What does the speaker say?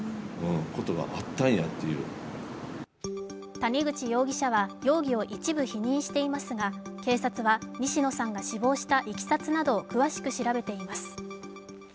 谷口容疑者は容疑を一部否認していますが警察は西野さんが死亡したいきさつなどを詳しく調べています。